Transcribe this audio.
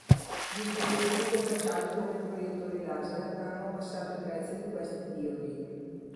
Dispositivi commerciali come i proiettori laser hanno abbassato i prezzi di questi diodi.